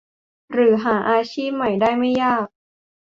หรือหาอาชีพใหม่ได้ไม่ยาก